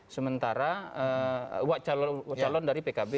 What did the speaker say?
sementara calon dari pkb